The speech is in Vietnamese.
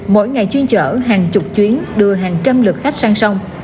mỗi ngày chuyên chở hàng chục chuyến đưa hàng trăm lực khách sang sông